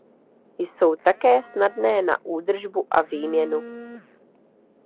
Jsou také snadné na údržbu a výměnu.